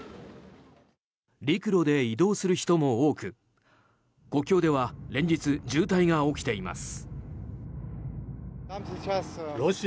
陸路で移動する人も多く国境では連日渋滞が起きています。